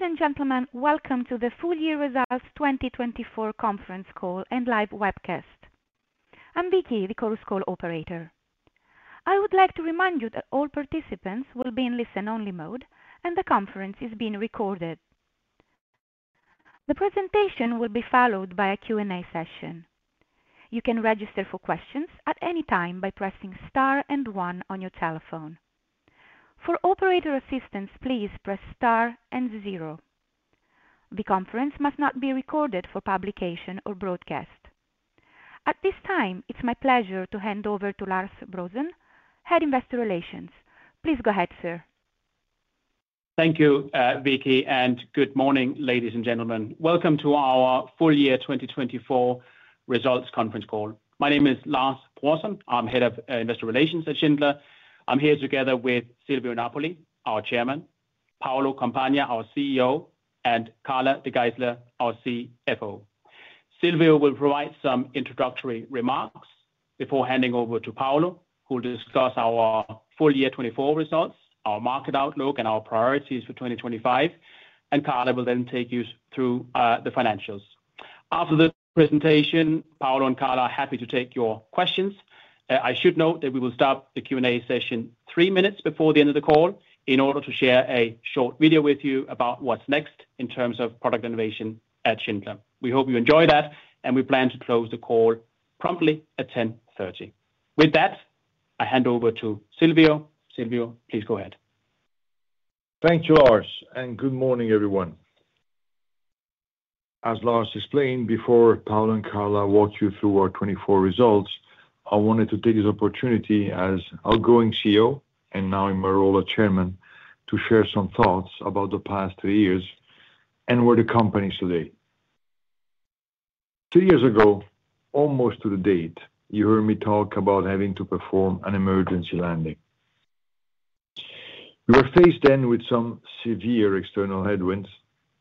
Ladies and gentlemen, welcome to the full year results 2024 conference call and live webcast. I'm Vicky, the call operator. I would like to remind you that all participants will be in listen-only mode and the conference is being recorded. The presentation will be followed by a Q&A session. You can register for questions at any time by pressing star and one on your telephone. For operator assistance, please press star and zero. The conference must not be recorded for publication or broadcast. At this time, it's my pleasure to hand over to Lars Brorson, Head of Investor Relations. Please go ahead, sir. Thank you, Vicky, and good morning, ladies and gentlemen. Welcome to our full year 2024 results conference call. My name is Lars Brorson. I'm Head of Investor Relations at Schindler. I'm here together with Silvio Napoli, our Chairman, Paolo Compagna, our CEO, and Carla De Geyseleer, our CFO. Silvio will provide some introductory remarks before handing over to Paolo, who will discuss our full year 24 results, our market outlook, and our priorities for 2025, and Carla will then take you through the financials. After the presentation, Paolo and Carla are happy to take your questions. I should note that we will stop the Q&A session three minutes before the end of the call in order to share a short video with you about what's next in terms of product innovation at Schindler. We hope you enjoy that, and we plan to close the call promptly at 10:30 A.M. With that, I hand over to Silvio. Silvio, please go ahead. Thank you, Lars, and good morning, everyone. As Lars explained before, Paolo and Carla walked you through our 2024 results. I wanted to take this opportunity as outgoing CEO and now in my role as Chairman to share some thoughts about the past three years and where the company is today. Two years ago, almost to the date, you heard me talk about having to perform an emergency landing. We were faced then with some severe external headwinds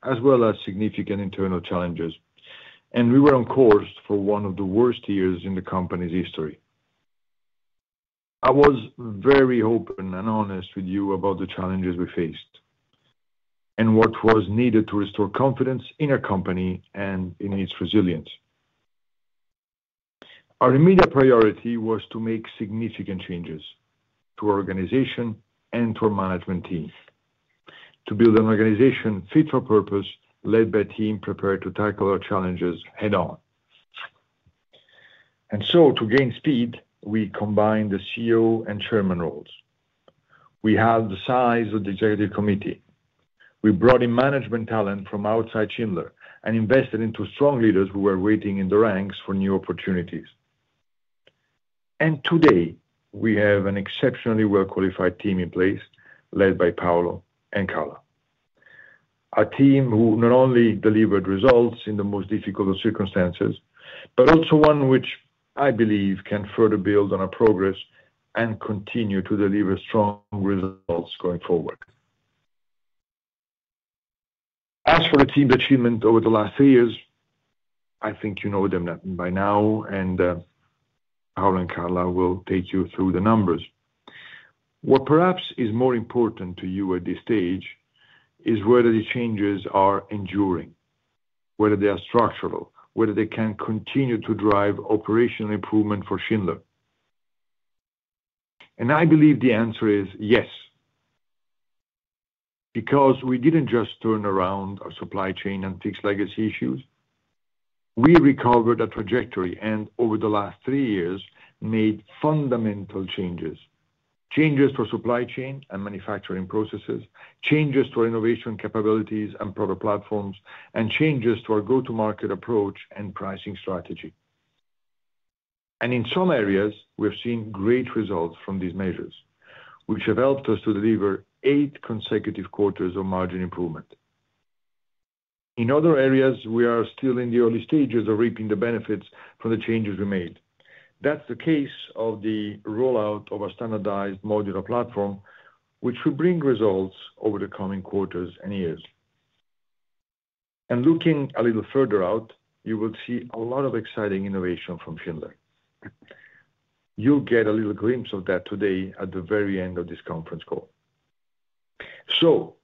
as well as significant internal challenges, and we were on course for one of the worst years in the company's history. I was very open and honest with you about the challenges we faced and what was needed to restore confidence in our company and in its resilience. Our immediate priority was to make significant changes to our organization and to our management team to build an organization fit for purpose, led by a team prepared to tackle our challenges head-on. And so, to gain speed, we combined the CEO and Chairman roles. We halved the size of the executive committee. We brought in management talent from outside Schindler and invested in strong leaders who were waiting in the ranks for new opportunities. And today, we have an exceptionally well-qualified team in place, led by Paolo and Carla. A team who not only delivered results in the most difficult of circumstances, but also one which I believe can further build on our progress and continue to deliver strong results going forward. As for the team's achievements over the last three years, I think you know them by now, and Paolo and Carla will take you through the numbers. What perhaps is more important to you at this stage is whether the changes are enduring, whether they are structural, whether they can continue to drive operational improvement for Schindler, and I believe the answer is yes, because we didn't just turn around our supply chain and fix legacy issues. We recovered our trajectory and over the last three years made fundamental changes, changes for supply chain and manufacturing processes, changes to our innovation capabilities and product platforms, and changes to our go-to-market approach and pricing strategy, and in some areas, we've seen great results from these measures, which have helped us to deliver eight consecutive quarters of margin improvement. In other areas, we are still in the early stages of reaping the benefits from the changes we made. That's the case of the rollout of a Standardized Modular Platform, which will bring results over the coming quarters and years. Looking a little further out, you will see a lot of exciting innovation from Schindler. You'll get a little glimpse of that today at the very end of this conference call.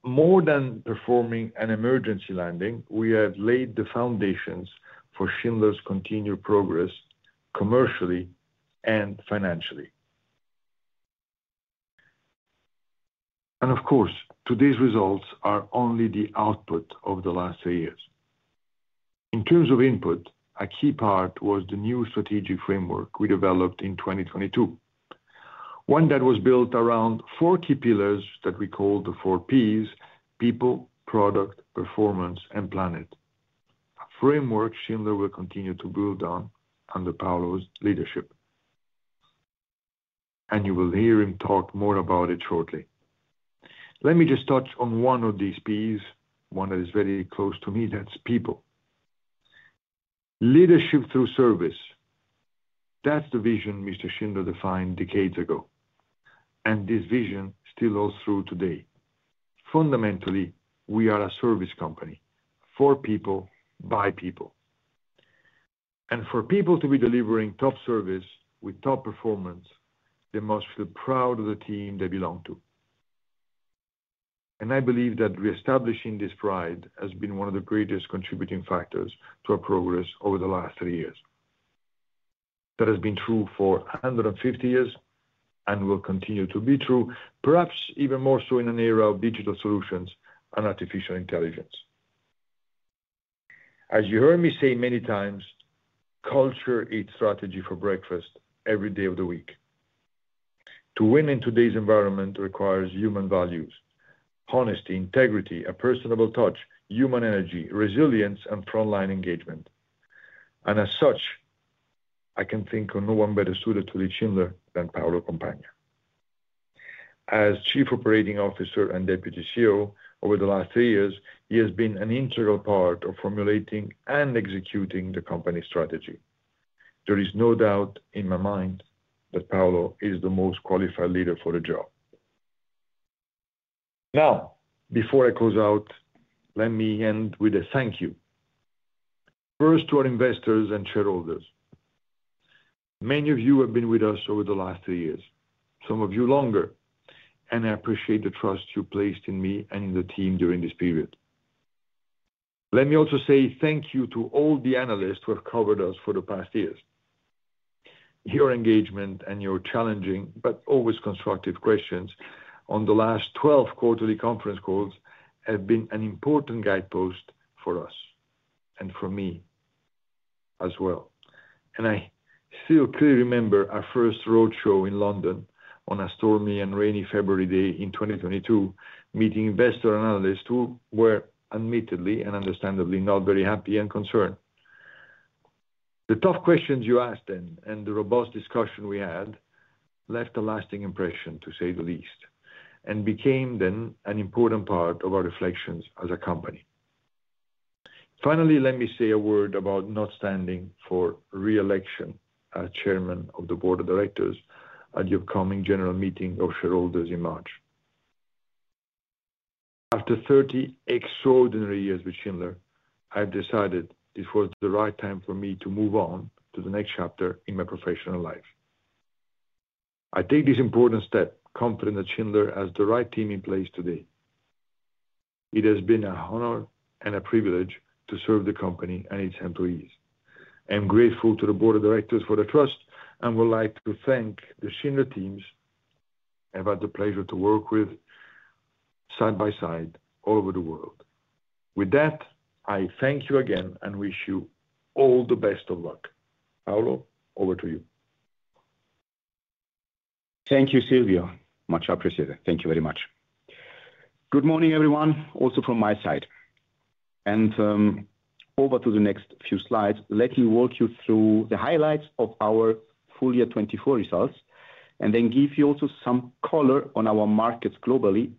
More than performing an emergency landing, we have laid the foundations for Schindler's continued progress commercially and financially. Of course, today's results are only the output of the last three years. In terms of input, a key part was the new strategic framework we developed in 2022, one that was built around four key pillars that we call the four P's: People, Product, Performance, and Planet. A framework Schindler will continue to build on under Paolo's leadership, and you will hear him talk more about it shortly. Let me just touch on one of these P's, one that is very close to me. That's People. Leadership through service. That's the vision Mr. Schindler defined decades ago, and this vision still holds true today. Fundamentally, we are a service company for people, by people. And for people to be delivering top service with top performance, they must feel proud of the team they belong to. And I believe that reestablishing this pride has been one of the greatest contributing factors to our progress over the last three years. That has been true for 150 years and will continue to be true, perhaps even more so in an era of digital solutions and artificial intelligence. As you heard me say many times, culture eats strategy for breakfast every day of the week. To win in today's environment requires human values, honesty, integrity, a personable touch, human energy, resilience, and frontline engagement. And as such, I can think of no one better suited to lead Schindler than Paolo Compagna. As Chief Operating Officer and Deputy CEO over the last three years, he has been an integral part of formulating and executing the company's strategy. There is no doubt in my mind that Paolo is the most qualified leader for the job. Now, before I close out, let me end with a thank you. First, to our investors and shareholders. Many of you have been with us over the last three years, some of you longer, and I appreciate the trust you placed in me and in the team during this period. Let me also say thank you to all the analysts who have covered us for the past years. Your engagement and your challenging but always constructive questions on the last 12 quarterly conference calls have been an important guidepost for us and for me as well. I still clearly remember our first roadshow in London on a stormy and rainy February day in 2022, meeting investor analysts who were admittedly and understandably not very happy and concerned. The tough questions you asked then and the robust discussion we had left a lasting impression, to say the least, and became then an important part of our reflections as a company. Finally, let me say a word about not standing for reelection as Chairman of the Board of Directors at the upcoming general meeting of shareholders in March. After 30 extraordinary years with Schindler, I have decided this was the right time for me to move on to the next chapter in my professional life. I take this important step confident that Schindler has the right team in place today. It has been an honor and a privilege to serve the company and its employees. I am grateful to the Board of Directors for the trust and would like to thank the Schindler teams I've had the pleasure to work with side by side all over the world. With that, I thank you again and wish you all the best of luck. Paolo, over to you. Thank you, Silvio. Much appreciated. Thank you very much. Good morning, everyone, also from my side. Over to the next few slides, let me walk you through the highlights of our full year 2024 results and then give you also some color on our markets globally.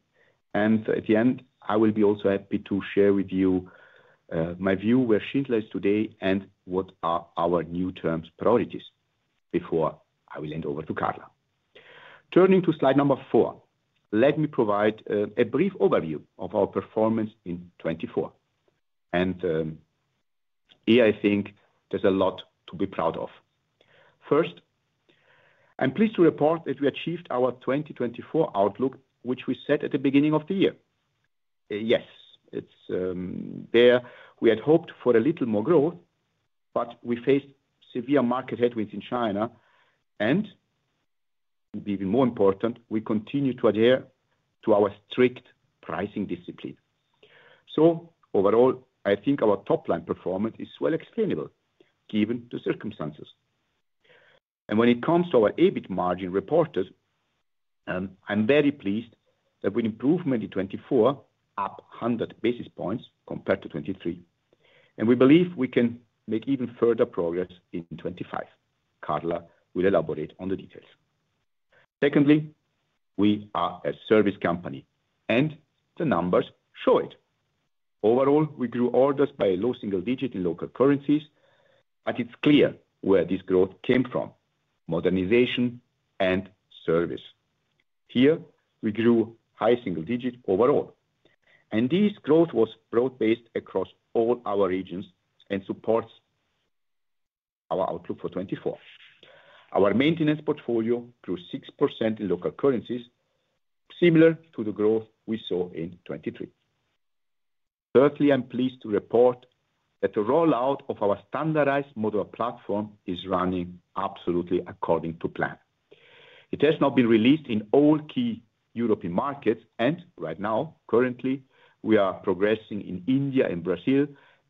At the end, I will be also happy to share with you my view where Schindler is today and what are our new team's priorities before I will hand over to Carla. Turning to slide number four, let me provide a brief overview of our performance in 2024. Here, I think there's a lot to be proud of. First, I'm pleased to report that we achieved our 2024 outlook, which we set at the beginning of the year. Yes, it's there. We had hoped for a little more growth, but we faced severe market headwinds in China. And even more important, we continue to adhere to our strict pricing discipline. So overall, I think our top-line performance is well explainable given the circumstances. And when it comes to our EBIT margin reported, I'm very pleased that, with improvement in 2024, up 100 basis points compared to 2023, and we believe we can make even further progress in 2025. Carla will elaborate on the details. Secondly, we are a service company, and the numbers show it. Overall, we grew orders by a low single digit in local currencies, but it's clear where this growth came from: modernization and service. Here, we grew high single digit overall, and this growth was broad-based across all our regions and supports our outlook for 2024. Our maintenance portfolio grew 6% in local currencies, similar to the growth we saw in 2023. Thirdly, I'm pleased to report that the rollout of our standardized modular platform is running absolutely according to plan. It has now been released in all key European markets, and right now, currently, we are progressing in India and Brazil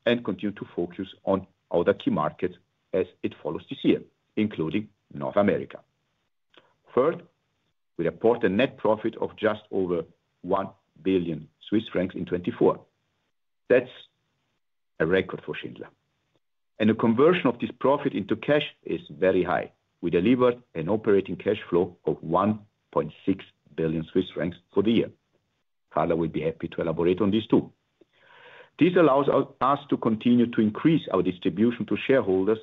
and continue to focus on other key markets as it follows this year, including North America. First, we report a net profit of just over 1 billion Swiss francs in 2024. That's a record for Schindler. And the conversion of this profit into cash is very high. We delivered an operating cash flow of 1.6 billion Swiss francs for the year. Carla will be happy to elaborate on these too. This allows us to continue to increase our distribution to shareholders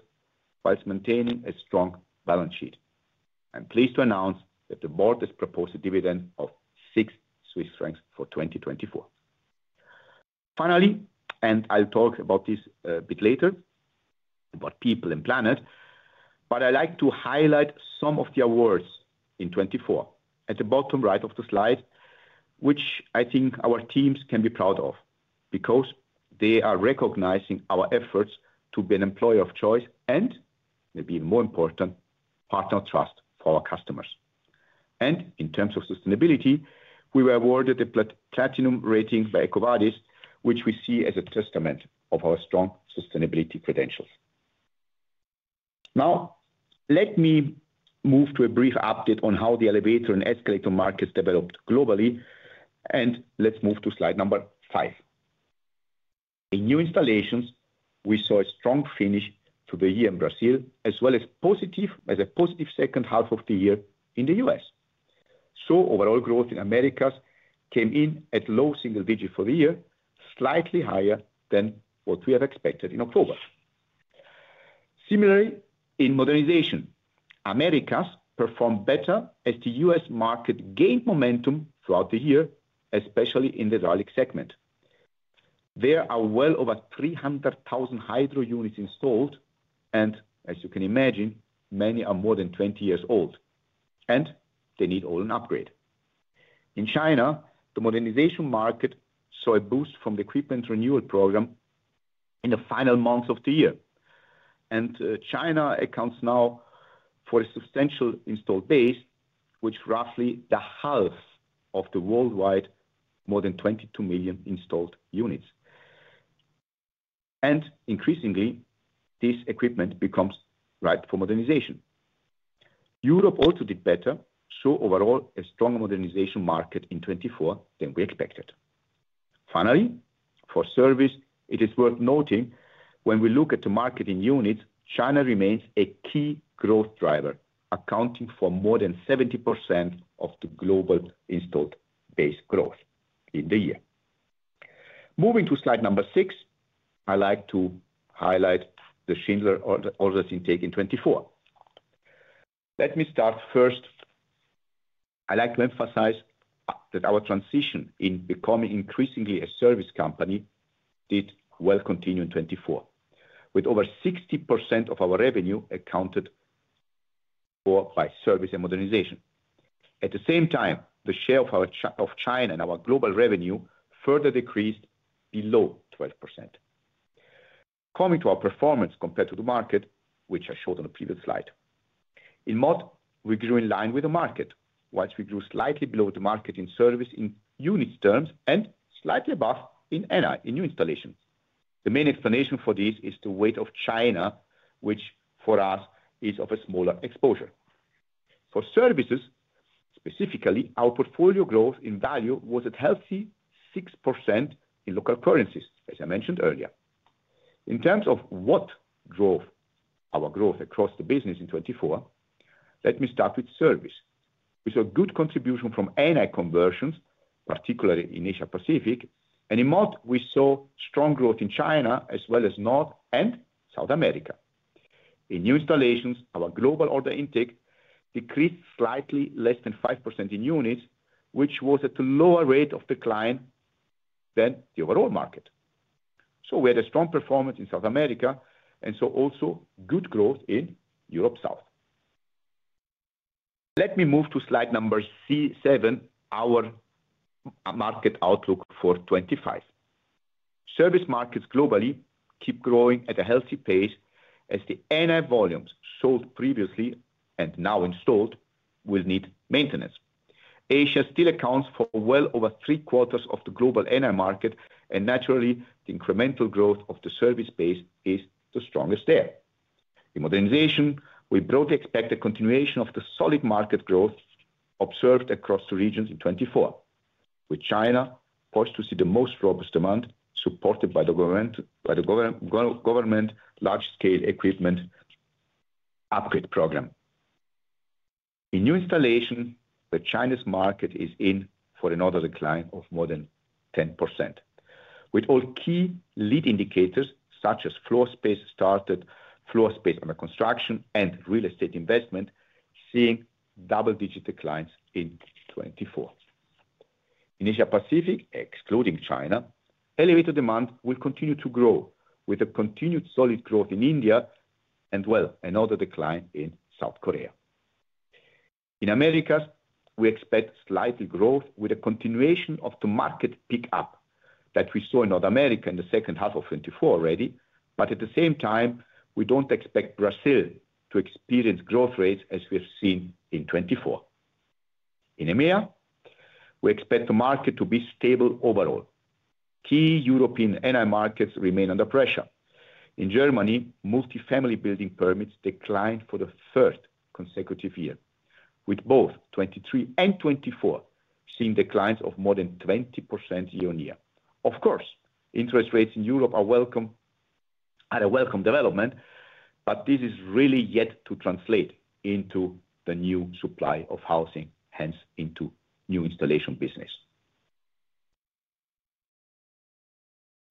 while maintaining a strong balance sheet. I'm pleased to announce that the board has proposed a dividend of 6 Swiss francs for 2024. Finally, and I'll talk about this a bit later, about People and Planet, but I'd like to highlight some of the awards in 2024 at the bottom right of the slide, which I think our teams can be proud of because they are recognizing our efforts to be an employer of choice and, maybe even more important, partner trust for our customers. And in terms of sustainability, we were awarded a Platinum rating by EcoVadis, which we see as a testament of our strong sustainability credentials. Now, let me move to a brief update on how the elevator and escalator markets developed globally, and let's move to slide number five. In new installations, we saw a strong finish to the year in Brazil, as well as a positive second half of the year in the US. So overall growth in Americas came in at low single digit for the year, slightly higher than what we have expected in October. Similarly, in modernization, Americas performed better as the US market gained momentum throughout the year, especially in the hydraulic segment. There are well over 300,000 hydro units installed, and as you can imagine, many are more than 20 years old, and they all need an upgrade. In China, the modernization market saw a boost from the Equipment Upgrade Program in the final months of the year. And China accounts now for a substantial installed base, which is roughly the half of the worldwide more than 22 million installed units. And increasingly, this equipment becomes ripe for modernization. Europe also did better, so overall, a stronger modernization market in 2024 than we expected. Finally, for service, it is worth noting when we look at the market in units, China remains a key growth driver, accounting for more than 70% of the global installed base growth in the year. Moving to slide number six, I'd like to highlight the Schindler orders intake in 2024. Let me start first. I'd like to emphasize that our transition in becoming increasingly a service company did well continue in 2024, with over 60% of our revenue accounted for by service and modernization. At the same time, the share of China and our global revenue further decreased below 12%, coming to our performance compared to the market, which I showed on the previous slide. In mod, we grew in line with the market, while we grew slightly below the market in service in unit terms and slightly above in new installations. The main explanation for this is the weight of China, which for us is of a smaller exposure. For services, specifically, our portfolio growth in value was at healthy 6% in local currencies, as I mentioned earlier. In terms of what drove our growth across the business in 2024, let me start with service. We saw good contribution from NI conversions, particularly in Asia-Pacific, and in mod, we saw strong growth in China as well as North and South America. In new installations, our global order intake decreased slightly less than 5% in units, which was at a lower rate of decline than the overall market, so we had a strong performance in South America, and so also good growth in Europe South. Let me move to slide number seven, our market outlook for 2025. Service markets globally keep growing at a healthy pace as the NI volumes sold previously and now installed will need maintenance. Asia still accounts for well over three quarters of the global NI market, and naturally, the incremental growth of the service base is the strongest there. In modernization, we broadly expect a continuation of the solid market growth observed across the regions in 2024, with China forecast to see the most robust demand supported by the government's large-scale equipment upgrade program. In new installation, the Chinese market is in for another decline of more than 10%, with all key lead indicators such as floor space started, floor space under construction, and real estate investment seeing double-digit declines in 2024. In Asia-Pacific, excluding China, elevator demand will continue to grow with a continued solid growth in India and, well, another decline in South Korea. In the Americas, we expect slight growth with a continuation of the market pickup that we saw in North America in the second half of 2024 already, but at the same time, we don't expect Brazil to experience growth rates as we've seen in 2024. In EMEA, we expect the market to be stable overall. Key European NI markets remain under pressure. In Germany, multifamily building permits declined for the third consecutive year, with both 2023 and 2024 seeing declines of more than 20% year on year. Of course, interest rates in Europe are a welcome development, but this is really yet to translate into the new supply of housing, hence into new installation business.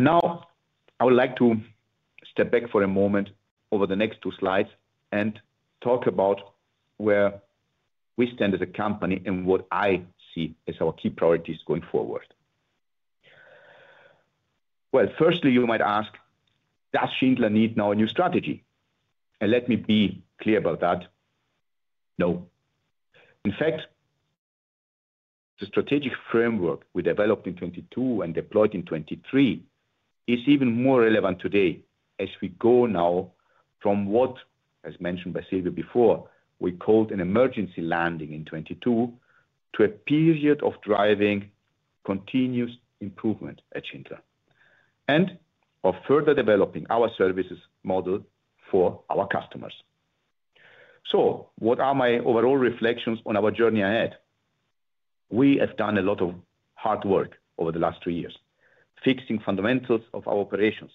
Now, I would like to step back for a moment over the next two slides and talk about where we stand as a company and what I see as our key priorities going forward. Firstly, you might ask, does Schindler need now a new strategy? Let me be clear about that. No. In fact, the strategic framework we developed in 2022 and deployed in 2023 is even more relevant today as we go now from what, as mentioned by Silvio before, we called an emergency landing in 2022 to a period of driving continuous improvement at Schindler and of further developing our services model for our customers. What are my overall reflections on our journey ahead? We have done a lot of hard work over the last three years, fixing fundamentals of our operations,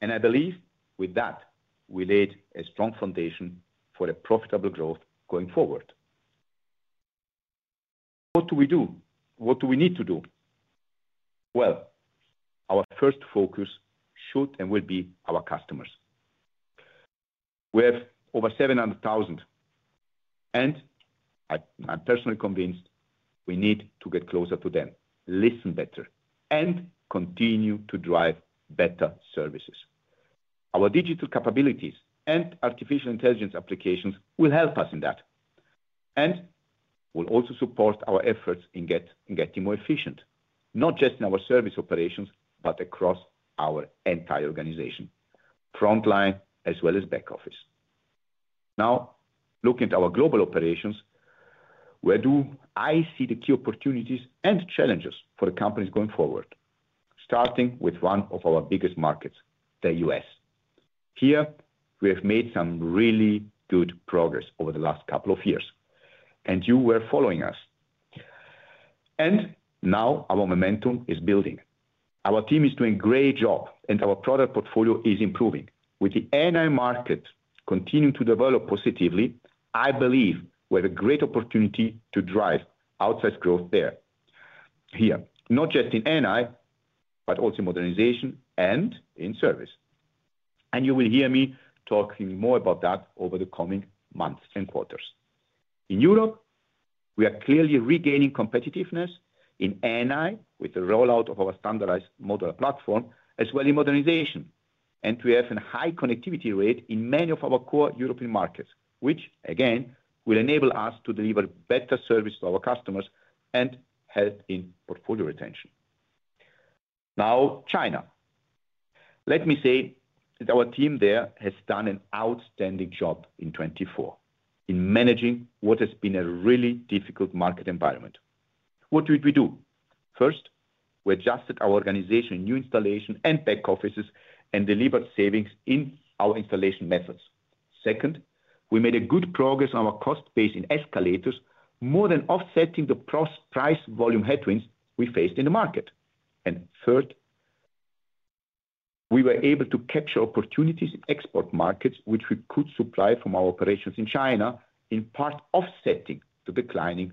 and I believe with that, we laid a strong foundation for a profitable growth going forward. What do we do? What do we need to do? Our first focus should and will be our customers. We have over 700,000, and I'm personally convinced we need to get closer to them, listen better, and continue to drive better services. Our digital capabilities and artificial intelligence applications will help us in that, and will also support our efforts in getting more efficient, not just in our service operations, but across our entire organization, frontline as well as back office. Now, looking at our global operations, where do I see the key opportunities and challenges for the companies going forward, starting with one of our biggest markets, the US? Here, we have made some really good progress over the last couple of years, and you were following us, and now our momentum is building. Our team is doing a great job, and our product portfolio is improving. With the NI market continuing to develop positively, I believe we have a great opportunity to drive outsized growth there, here, not just in NI, but also in modernization and in service. And you will hear me talking more about that over the coming months and quarters. In Europe, we are clearly regaining competitiveness in NI with the rollout of our standardized modular platform, as well as modernization. And we have a high connectivity rate in many of our core European markets, which, again, will enable us to deliver better service to our customers and help in portfolio retention. Now, China. Let me say that our team there has done an outstanding job in 2024 in managing what has been a really difficult market environment. What did we do? First, we adjusted our organization in new installation and back offices and delivered savings in our installation methods. Second, we made good progress on our cost base in escalators, more than offsetting the price volume headwinds we faced in the market. And third, we were able to capture opportunities in export markets, which we could supply from our operations in China, in part offsetting the declining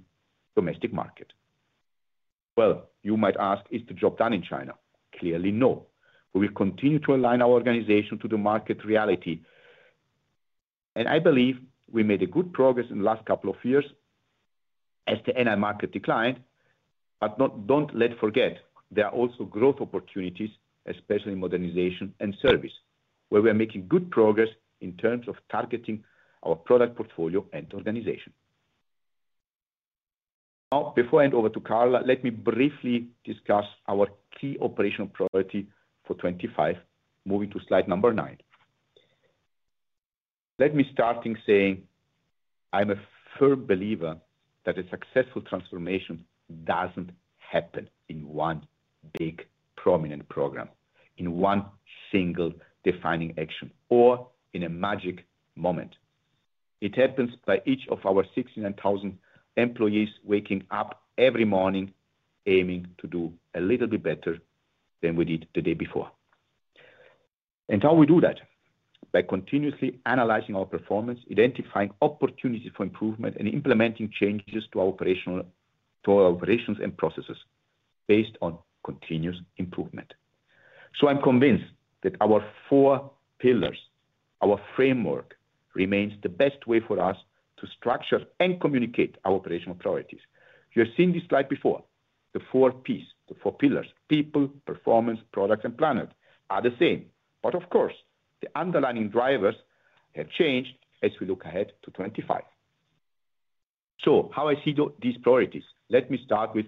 domestic market. Well, you might ask, is the job done in China? Clearly, no. We will continue to align our organization to the market reality. And I believe we made good progress in the last couple of years as the ANI market declined. But don't forget, there are also growth opportunities, especially in modernization and service, where we are making good progress in terms of targeting our product portfolio and organization. Now, before I hand over to Carla, let me briefly discuss our key operational priority for 2025, moving to slide number nine. Let me start in saying I'm a firm believer that a successful transformation doesn't happen in one big prominent program, in one single defining action, or in a magic moment. It happens by each of our 69,000 employees waking up every morning aiming to do a little bit better than we did the day before. And how we do that? By continuously analyzing our performance, identifying opportunities for improvement, and implementing changes to our operations and processes based on continuous improvement. So I'm convinced that our four pillars, our framework, remains the best way for us to structure and communicate our operational priorities. You have seen this slide before. The four pieces, the four pillars, people, performance, product, and planet are the same. But of course, the underlying drivers have changed as we look ahead to 25. So how I see these priorities? Let me start with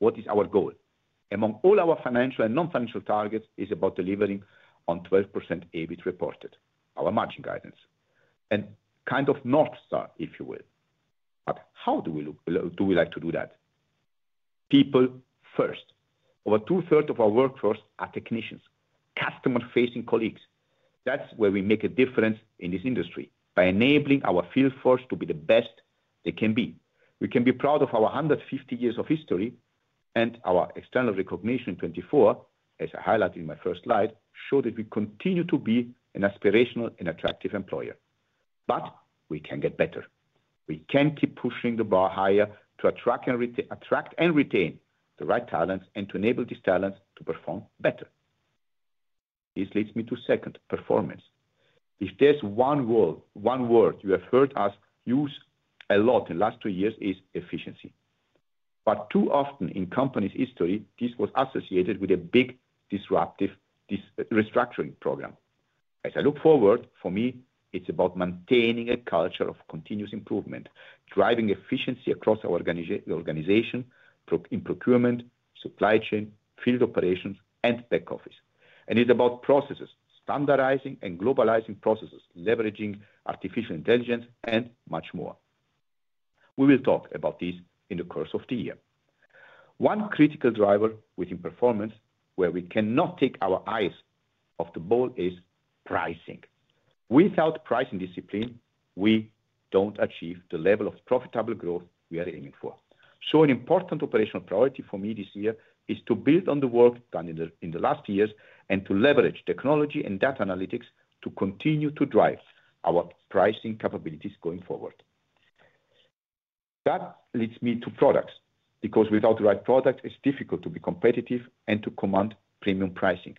what is our goal. Among all our financial and non-financial targets, it is about delivering on 12% EBIT reported, our margin guidance, and kind of North Star, if you will. But how do we like to do that? People first. Over two-thirds of our workforce are technicians, customer-facing colleagues. That's where we make a difference in this industry by enabling our field force to be the best they can be. We can be proud of our 150 years of history, and our external recognition in 2024, as I highlighted in my first slide, showed that we continue to be an aspirational and attractive employer. But we can get better. We can keep pushing the bar higher to attract and retain the right talents and to enable these talents to perform better. This leads me to second, performance. If there's one word you have heard us use a lot in the last two years, it is efficiency. But too often in the company's history, this was associated with a big disruptive restructuring program. As I look forward, for me, it's about maintaining a culture of continuous improvement, driving efficiency across our organization in procurement, supply chain, field operations, and back office. And it's about processes, standardizing and globalizing processes, leveraging artificial intelligence, and much more. We will talk about this in the course of the year. One critical driver within performance where we cannot take our eyes off the ball is pricing. Without pricing discipline, we don't achieve the level of profitable growth we are aiming for. So an important operational priority for me this year is to build on the work done in the last years and to leverage technology and data analytics to continue to drive our pricing capabilities going forward. That leads me to products because without the right product, it's difficult to be competitive and to command premium pricing.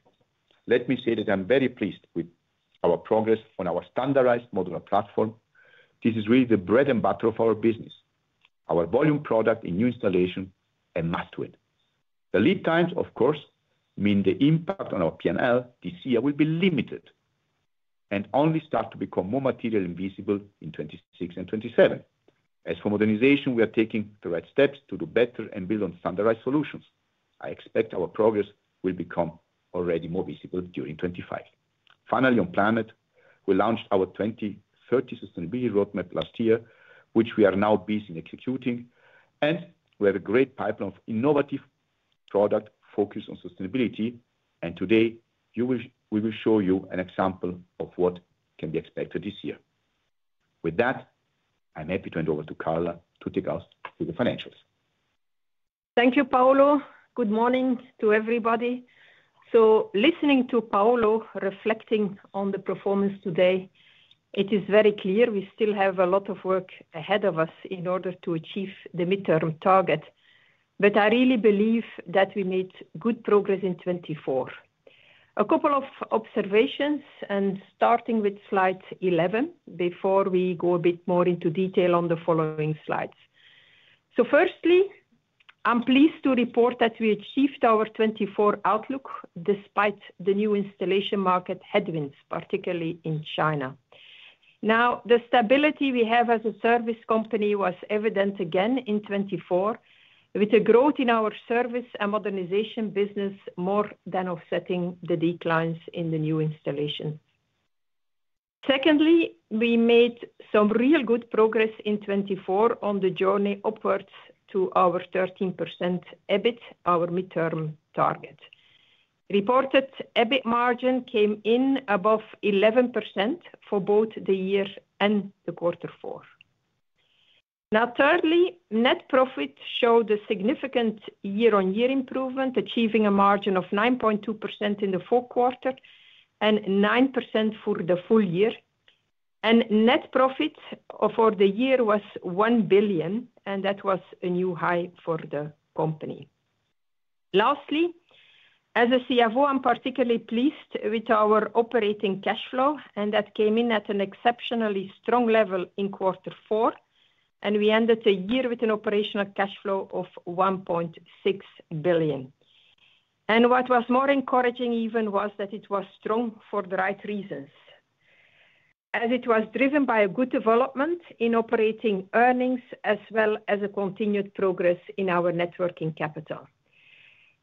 Let me say that I'm very pleased with our progress on our standardized modular platform. This is really the bread and butter of our business, our volume product in new installation, a must-win. The lead times, of course, mean the impact on our P&L this year will be limited and only start to become more materially visible in 2026 and 2027. As for modernization, we are taking the right steps to do better and build on standardized solutions. I expect our progress will become already more visible during 2025. Finally, on Planet, we launched our 2030 sustainability roadmap last year, which we are now busy executing. And we have a great pipeline of innovative product focused on sustainability. And today, we will show you an example of what can be expected this year. With that, I'm happy to hand over to Carla to take us through the financials. Thank you, Paolo. Good morning to everybody. So listening to Paolo reflecting on the performance today, it is very clear we still have a lot of work ahead of us in order to achieve the midterm target. But I really believe that we made good progress in 2024. A couple of observations, and starting with slide 11 before we go a bit more into detail on the following slides. So firstly, I'm pleased to report that we achieved our 2024 outlook despite the new installation market headwinds, particularly in China. Now, the stability we have as a service company was evident again in 2024, with a growth in our service and modernization business more than offsetting the declines in the new installation. Secondly, we made some real good progress in 2024 on the journey upwards to our 13% EBIT, our midterm target. Reported EBIT margin came in above 11% for both the year and the quarter four. Now, thirdly, net profit showed a significant year-on-year improvement, achieving a margin of 9.2% in the fourth quarter and 9% for the full year. And net profit for the year was 1 billion, and that was a new high for the company. Lastly, as a CFO, I'm particularly pleased with our operating cash flow, and that came in at an exceptionally strong level in quarter four. And we ended the year with an operational cash flow of 1.6 billion. What was more encouraging even was that it was strong for the right reasons, as it was driven by a good development in operating earnings as well as a continued progress in our net working capital.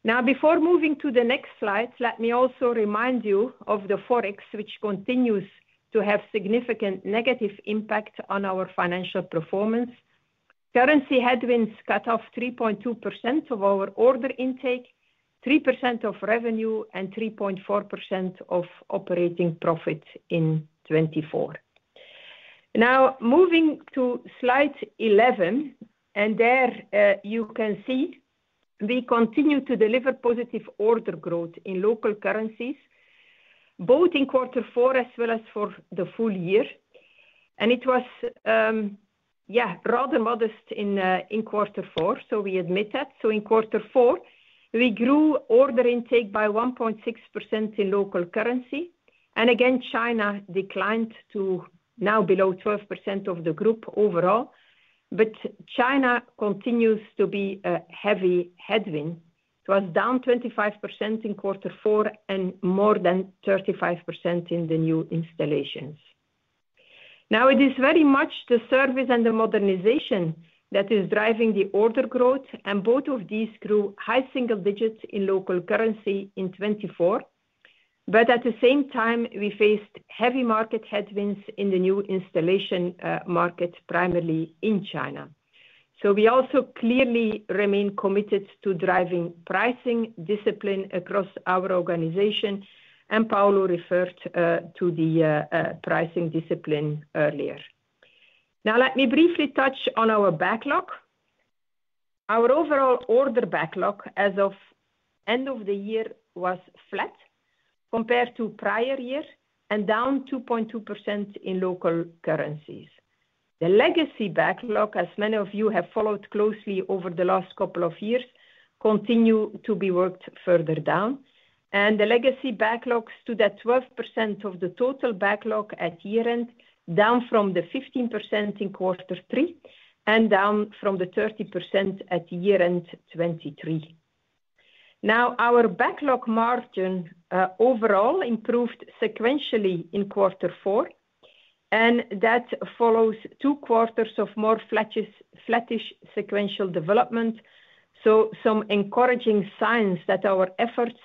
Now, before moving to the next slides, let me also remind you of the forex, which continues to have significant negative impact on our financial performance. Currency headwinds cut off 3.2% of our order intake, 3% of revenue, and 3.4% of operating profit in 2024. Now, moving to slide 11. There you can see we continue to deliver positive order growth in local currencies, both in quarter four as well as for the full year. It was, yeah, rather modest in quarter four, so we admit that. In quarter four, we grew order intake by 1.6% in local currency. Again, China declined to now below 12% of the group overall. But China continues to be a heavy headwind. It was down 25% in quarter four and more than 35% in the new installations. Now, it is very much the service and the modernization that is driving the order growth. And both of these grew high single digits in local currency in 2024. But at the same time, we faced heavy market headwinds in the new installation market, primarily in China. So we also clearly remain committed to driving pricing discipline across our organization. And Paolo referred to the pricing discipline earlier. Now, let me briefly touch on our backlog. Our overall order backlog as of end of the year was flat compared to prior year and down 2.2% in local currencies. The legacy backlog, as many of you have followed closely over the last couple of years, continues to be worked further down. The legacy backlog stood at 12% of the total backlog at year-end, down from the 15% in quarter three and down from the 30% at year-end 2023. Now, our backlog margin overall improved sequentially in quarter four. That follows two quarters of more flattish sequential development. Some encouraging signs that our efforts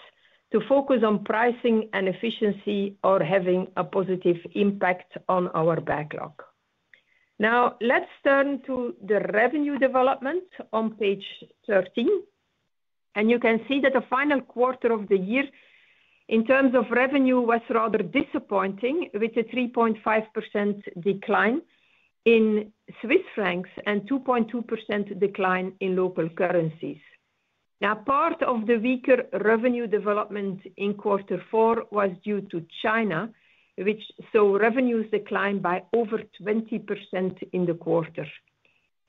to focus on pricing and efficiency are having a positive impact on our backlog. Now, let's turn to the revenue development on page 13. You can see that the final quarter of the year, in terms of revenue, was rather disappointing with a 3.5% decline in Swiss francs and 2.2% decline in local currencies. Now, part of the weaker revenue development in quarter four was due to China, which saw revenues decline by over 20% in the quarter.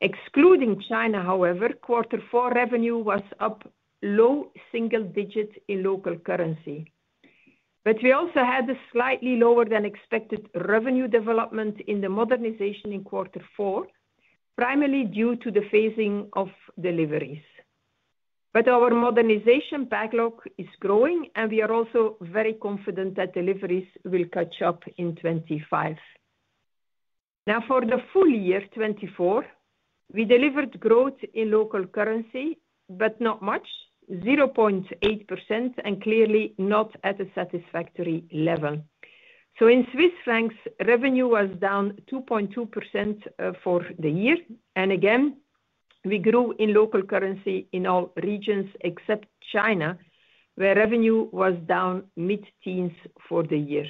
Excluding China, however, quarter four revenue was up low single digits in local currency. But we also had a slightly lower than expected revenue development in the modernization in quarter four, primarily due to the phasing of deliveries. But our modernization backlog is growing, and we are also very confident that deliveries will catch up in 2025. Now, for the full year 2024, we delivered growth in local currency, but not much, 0.8%, and clearly not at a satisfactory level. So in Swiss francs, revenue was down 2.2% for the year. And again, we grew in local currency in all regions except China, where revenue was down mid-teens for the year.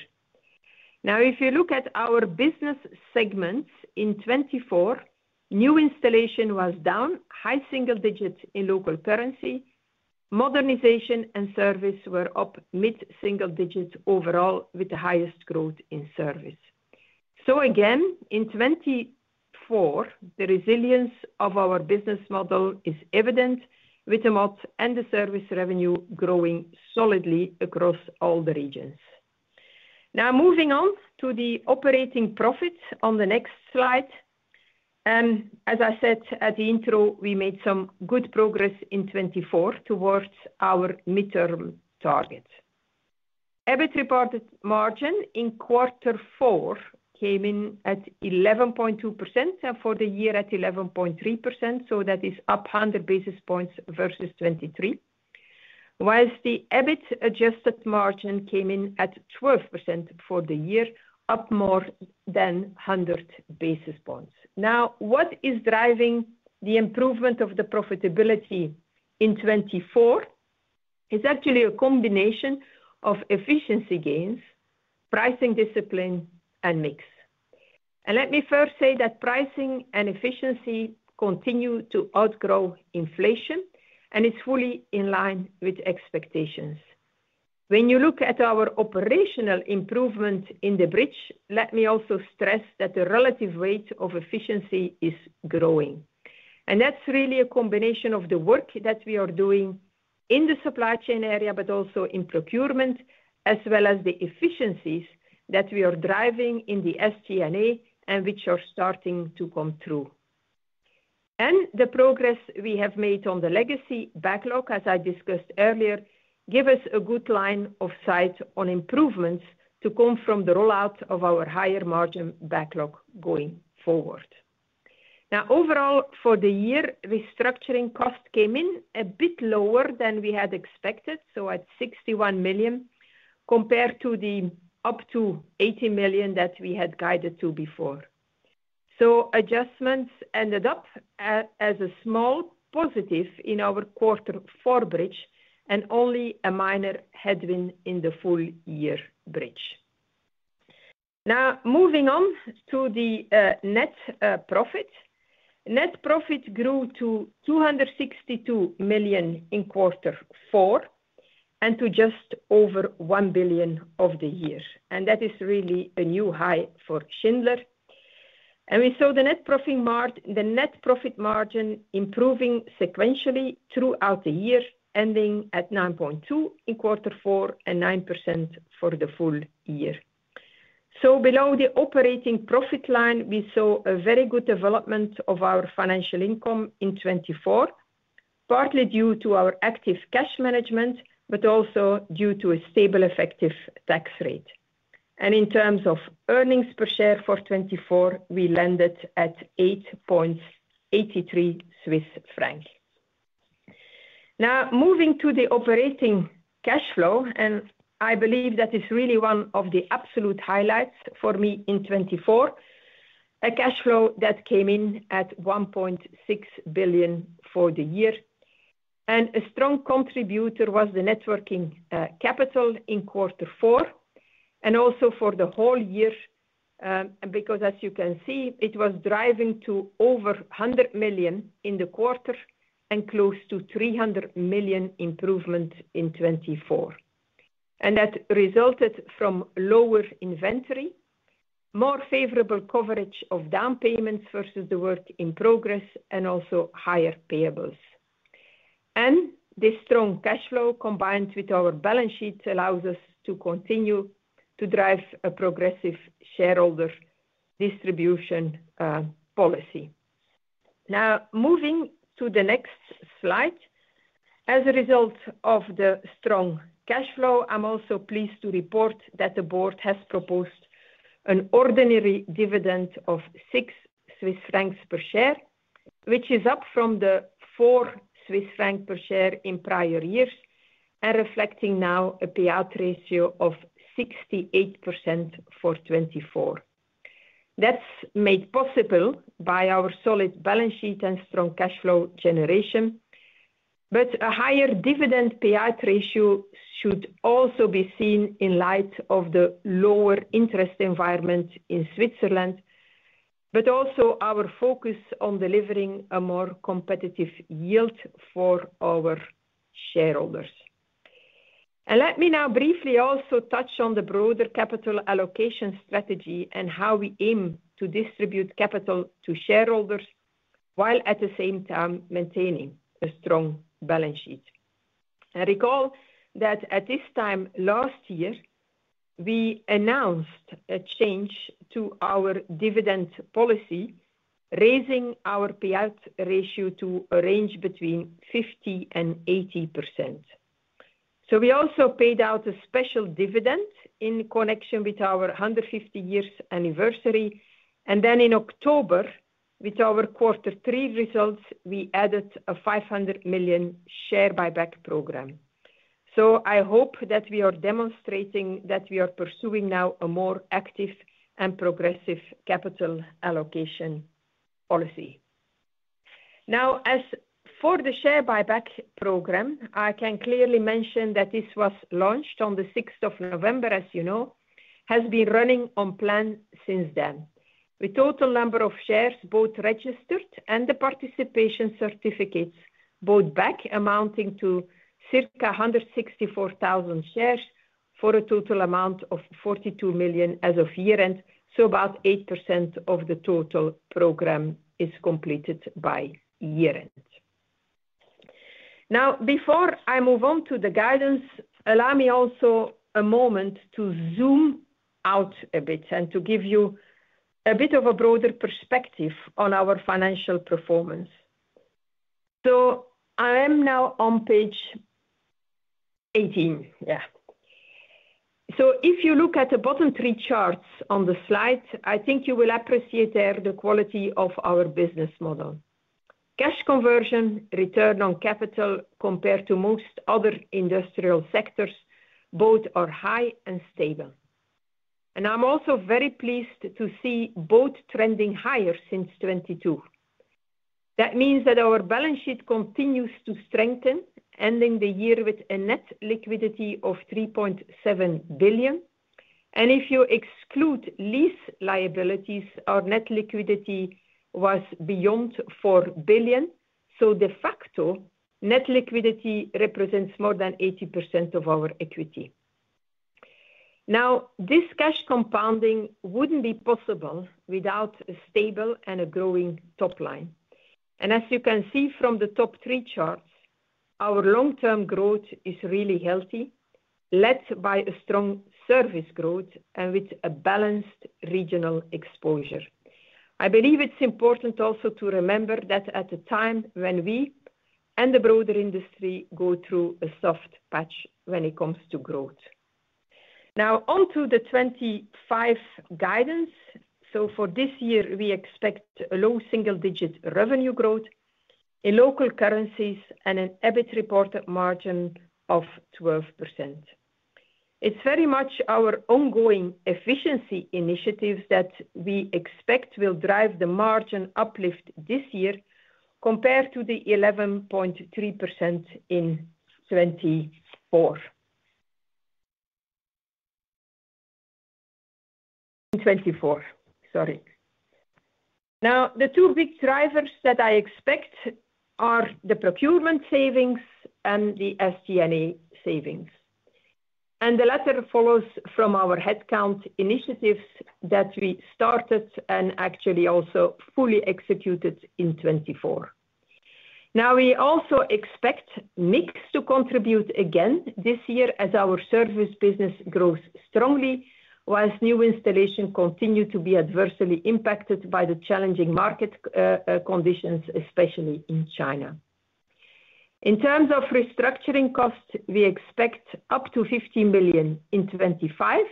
Now, if you look at our business segments in 2024, new installation was down high single digits in local currency. Modernization and service were up mid-single digits overall with the highest growth in service. So again, in 2024, the resilience of our business model is evident with the Mod and the service revenue growing solidly across all the regions. Now, moving on to the operating profits on the next slide. As I said at the intro, we made some good progress in 2024 towards our midterm target. EBIT reported margin in quarter four came in at 11.2% and for the year at 11.3%. So that is up 100 basis points versus 2023, while the EBIT adjusted margin came in at 12% for the year, up more than 100 basis points. Now, what is driving the improvement of the profitability in 2024? It's actually a combination of efficiency gains, pricing discipline, and mix. And let me first say that pricing and efficiency continue to outgrow inflation, and it's fully in line with expectations. When you look at our operational improvement in the bridge, let me also stress that the relative weight of efficiency is growing. And that's really a combination of the work that we are doing in the supply chain area, but also in procurement, as well as the efficiencies that we are driving in the SG&A and which are starting to come through. And the progress we have made on the legacy backlog, as I discussed earlier, gives us a good line of sight on improvements to come from the rollout of our higher margin backlog going forward. Now, overall, for the year, restructuring cost came in a bit lower than we had expected, so at 61 million compared to the up to 80 million that we had guided to before. So adjustments ended up as a small positive in our quarter four bridge and only a minor headwind in the full year bridge. Now, moving on to the net profit. Net profit grew to 262 million in quarter four and to just over 1 billion of the year. And that is really a new high for Schindler. And we saw the net profit margin improving sequentially throughout the year, ending at 9.2% in quarter four and 9% for the full year. So below the operating profit line, we saw a very good development of our financial income in 2024, partly due to our active cash management, but also due to a stable effective tax rate. And in terms of earnings per share for 2024, we landed at 8.83 Swiss francs. Now, moving to the operating cash flow, and I believe that is really one of the absolute highlights for me in 2024, a cash flow that came in at 1.6 billion for the year. And a strong contributor was the net working capital in quarter four and also for the whole year. And because, as you can see, it was driving to over 100 million in the quarter and close to 300 million improvement in 2024. And that resulted from lower inventory, more favorable coverage of down payments versus the work in progress, and also higher payables. And this strong cash flow combined with our balance sheet allows us to continue to drive a progressive shareholder distribution policy. Now, moving to the next slide. As a result of the strong cash flow, I'm also pleased to report that the board has proposed an ordinary dividend of 6 Swiss francs per share, which is up from the 4 Swiss francs per share in prior years and reflecting now a payout ratio of 68% for 2024. That's made possible by our solid balance sheet and strong cash flow generation. But a higher dividend payout ratio should also be seen in light of the lower interest environment in Switzerland, but also our focus on delivering a more competitive yield for our shareholders. And let me now briefly also touch on the broader capital allocation strategy and how we aim to distribute capital to shareholders while at the same time maintaining a strong balance sheet. Recall that at this time last year, we announced a change to our dividend policy, raising our payout ratio to a range between 50% and 80%. We also paid out a special dividend in connection with our 150-year anniversary. Then in October, with our quarter three results, we added a 500 million share buyback program. I hope that we are demonstrating that we are pursuing now a more active and progressive capital allocation policy. Now, as for the share buyback program, I can clearly mention that this was launched on the 6th of November. As you know, it has been running on plan since then. The total number of shares, both registered and participation certificates, bought back amounting to circa 164,000 shares for a total amount of 42 million as of year-end. About 8% of the total program is completed by year-end. Now, before I move on to the guidance, allow me also a moment to zoom out a bit and to give you a bit of a broader perspective on our financial performance. So I am now on page 18. Yeah. So if you look at the bottom three charts on the slide, I think you will appreciate there the quality of our business model. Cash conversion, return on capital compared to most other industrial sectors, both are high and stable. And I'm also very pleased to see both trending higher since 2022. That means that our balance sheet continues to strengthen, ending the year with a net liquidity of 3.7 billion. And if you exclude lease liabilities, our net liquidity was beyond 4 billion. So de facto, net liquidity represents more than 80% of our equity. Now, this cash compounding wouldn't be possible without a stable and a growing top line, and as you can see from the top three charts, our long-term growth is really healthy, led by a strong service growth and with a balanced regional exposure. I believe it's important also to remember that at a time when we and the broader industry go through a soft patch when it comes to growth. Now, on to the 2025 guidance, so for this year, we expect a low single-digit revenue growth in local currencies and an EBIT reported margin of 12%. It's very much our ongoing efficiency initiatives that we expect will drive the margin uplift this year compared to the 11.3% in 2024. In 2024, sorry. Now, the two big drivers that I expect are the procurement savings and the SG&A savings. The latter follows from our headcount initiatives that we started and actually also fully executed in 2024. Now, we also expect mix to contribute again this year as our service business grows strongly while new installation continues to be adversely impacted by the challenging market conditions, especially in China. In terms of restructuring costs, we expect up to 15 million in 2025,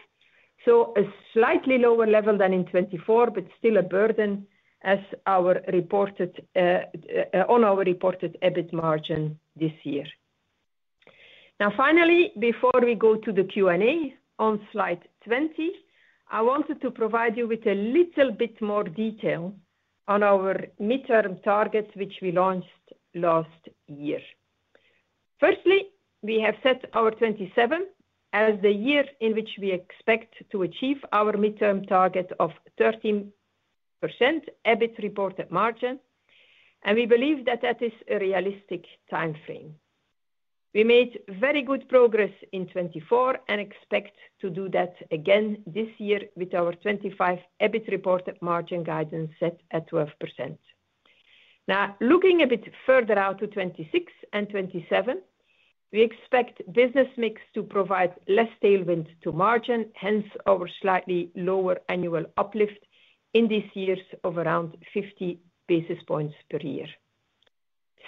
so a slightly lower level than in 2024, but still a burden on our reported EBIT margin this year. Now, finally, before we go to the Q&A on slide 20, I wanted to provide you with a little bit more detail on our midterm targets, which we launched last year. Firstly, we have set 2027 as the year in which we expect to achieve our midterm target of 13% EBIT reported margin, and we believe that that is a realistic time frame. We made very good progress in 2024 and expect to do that again this year with our 2025 EBIT reported margin guidance set at 12%. Now, looking a bit further out to 2026 and 2027, we expect business mix to provide less tailwind to margin, hence our slightly lower annual uplift in these years of around 50 basis points per year.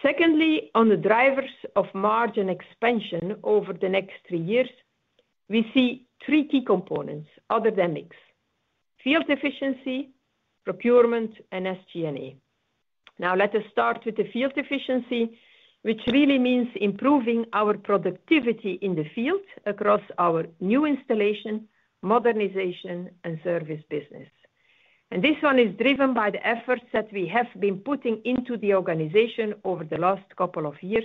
Secondly, on the drivers of margin expansion over the next three years, we see three key components other than mix: field efficiency, procurement, and SG&A. Now, let us start with the field efficiency, which really means improving our productivity in the field across our new installation, modernization, and service business. And this one is driven by the efforts that we have been putting into the organization over the last couple of years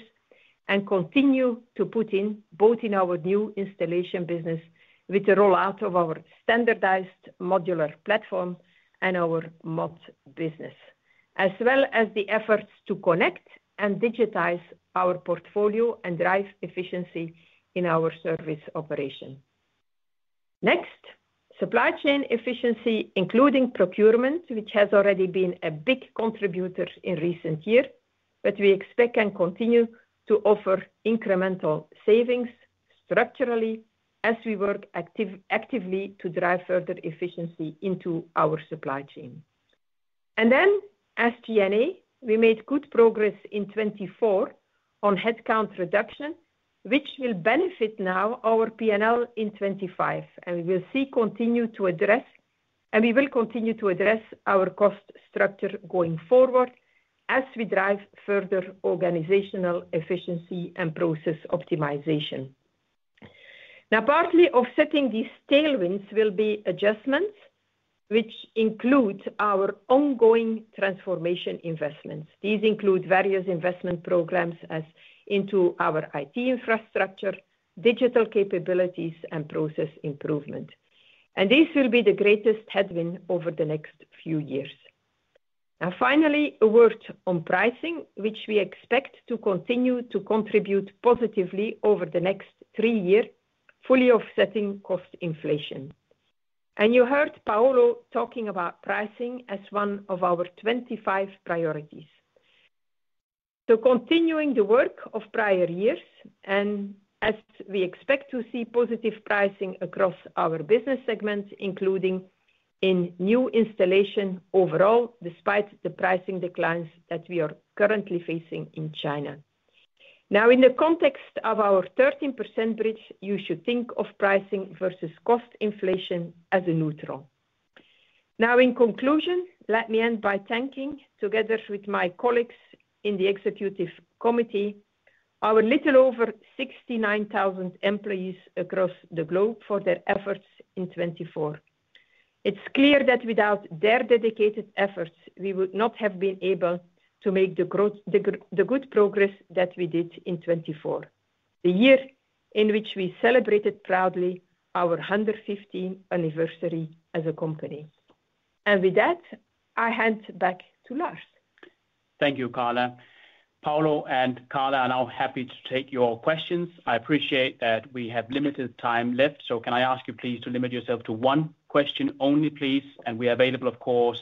and continue to put in both in our new installation business with the rollout of our standardized modular platform and our mod business, as well as the efforts to connect and digitize our portfolio and drive efficiency in our service operation. Next, supply chain efficiency, including procurement, which has already been a big contributor in recent years, but we expect can continue to offer incremental savings structurally as we work actively to drive further efficiency into our supply chain. And then SG&A. We made good progress in 2024 on headcount reduction, which will benefit now our P&L in 2025, and we will continue to address our cost structure going forward as we drive further organizational efficiency and process optimization. Now, partly offsetting these tailwinds will be adjustments, which include our ongoing transformation investments. These include various investment programs into our IT infrastructure, digital capabilities, and process improvement, and these will be the greatest headwind over the next few years. Now, finally, a word on pricing, which we expect to continue to contribute positively over the next three years, fully offsetting cost inflation, and you heard Paolo talking about pricing as one of our 25 priorities, so continuing the work of prior years, and as we expect to see positive pricing across our business segments, including in new installations overall, despite the pricing declines that we are currently facing in China. Now, in the context of our 13% bridge, you should think of pricing versus cost inflation as a neutral. Now, in conclusion, let me end by thanking together with my colleagues in the executive committee our little over 69,000 employees across the globe for their efforts in 2024. It's clear that without their dedicated efforts, we would not have been able to make the good progress that we did in 2024, the year in which we celebrated proudly our 115th anniversary as a company. And with that, I hand back to Lars. Thank you, Carla. Paolo and Carla are now happy to take your questions. I appreciate that we have limited time left. So can I ask you, please, to limit yourself to one question only, please? And we are available, of course,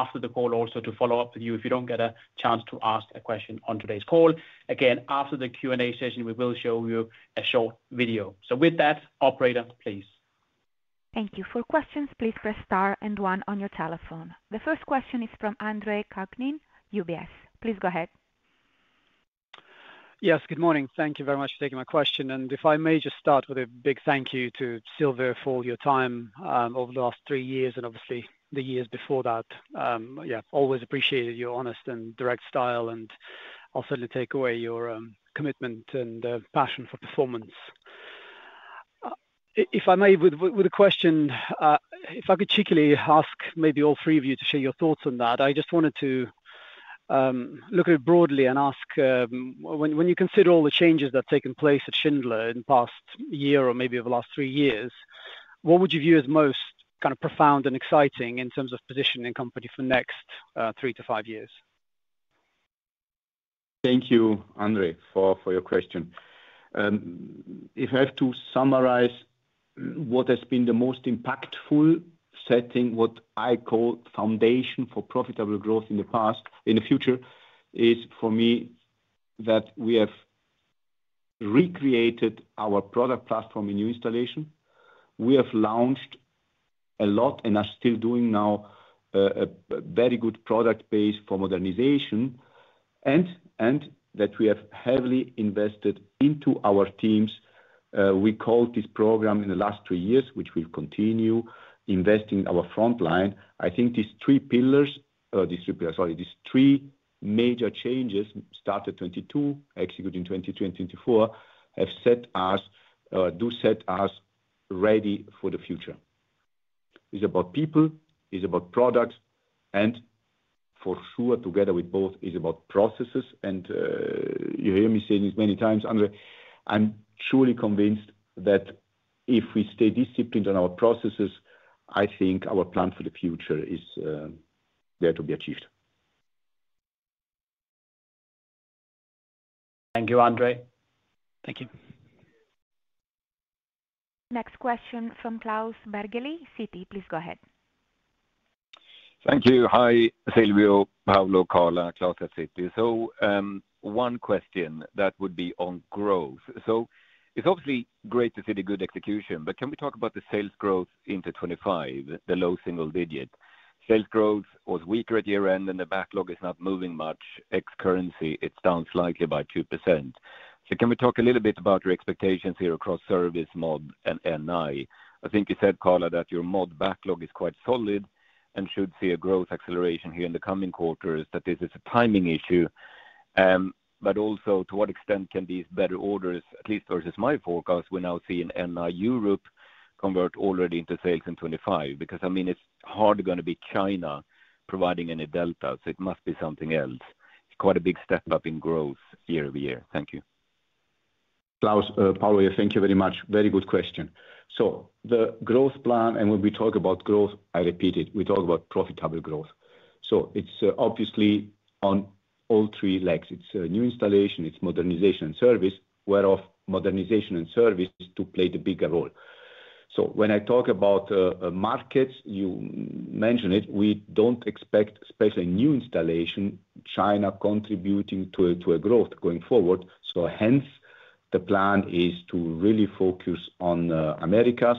after the call also to follow up with you if you don't get a chance to ask a question on today's call. Again, after the Q&A session, we will show you a short video. So with that, operator, please. Thank you. For questions, please press star and one on your telephone. The first question is from Andre Kukhnin, UBS. Please go ahead. Yes, good morning. Thank you very much for taking my question. And if I may just start with a big thank you to Silvio for all your time over the last three years and obviously the years before that. Yeah, always appreciated your honest and direct style, and I'll certainly take away your commitment and passion for performance. If I may, with a question, if I could cheekily ask maybe all three of you to share your thoughts on that, I just wanted to look at it broadly and ask, when you consider all the changes that have taken place at Schindler in the past year or maybe over the last three years, what would you view as most kind of profound and exciting in terms of positioning a company for the next three to five years? Thank you, Andre, for your question. If I have to summarize what has been the most impactful setting, what I call foundation for profitable growth in the past, in the future, is for me that we have recreated our product platform in new installation. We have launched a lot and are still doing now a very good product base for modernization, and that we have heavily invested into our teams. We called this program in the last three years, which we'll continue investing in our front line. I think these three pillars, sorry, these three major changes started 2022, executed in 2023 and 2024, have set us, do set us ready for the future. It's about people, it's about products, and for sure, together with both, it's about processes. And you hear me say this many times, Andre, I'm truly convinced that if we stay disciplined on our processes, I think our plan for the future is there to be achieved. Thank you, Andre. Thank you. Next question from Klas Bergelind, Citi, please go ahead. Thank you. Hi, Silvio, Paolo, Carla, Klas, Citi. So one question that would be on growth. So it's obviously great to see the good execution, but can we talk about the sales growth into 2025, the low single digit? Sales growth was weaker at year-end, and the backlog is not moving much. Ex currency, it's down slightly by 2%. So can we talk a little bit about your expectations here across service, MOD, and NI? I think you said, Carla, that your MOD backlog is quite solid and should see a growth acceleration here in the coming quarters, that this is a timing issue. But also, to what extent can these better orders, at least versus my forecast, we're now seeing NI Europe convert already into sales in 2025? Because, I mean, it's hardly going to be China providing any delta, so it must be something else. It's quite a big step up in growth year over year. Thank you. Klas, Paolo, thank you very much. Very good question. So the growth plan, and when we talk about growth, I repeat it, we talk about profitable growth. So it's obviously on all three legs. It's new installation, it's modernization and service, whereof modernization and service to play the bigger role. So when I talk about markets, you mentioned it, we don't expect, especially new installation, China contributing to a growth going forward. So hence, the plan is to really focus on Americas,